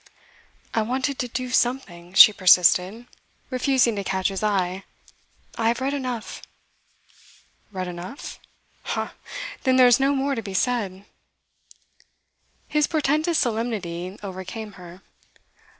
'I wanted to do something,' she persisted, refusing to catch his eye. 'I have read enough.' 'Read enough? Ha, then there's no more to be said.' His portentous solemnity overcame her.